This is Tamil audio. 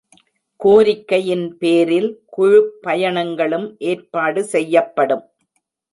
கோரிக்கையின் பேரில் குழுப்பயணங்களும் ஏற்பாடு செய்யப்படும்.